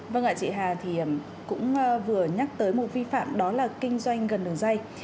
vâng ạ chị hà thì cũng vừa nhắc tới một vi phạm đó là kinh doanh gần đường dây